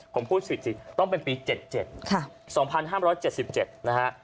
ผมพูดสิบสี่ต้องเป็นปีเจ็ดเจ็ดค่ะสองพันห้ามร้อยเจ็ดสิบเจ็ดนะฮะ